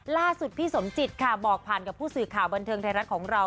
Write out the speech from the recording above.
ล่าสุดพี่สมจิตค่ะบอกผ่านกับผู้สื่อข่าวบันเทิงไทยรัฐของเรา